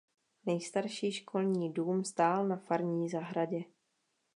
Nejstarší "školní dům" stál na farní zahradě.